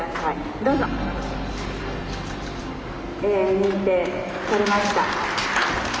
認定されました。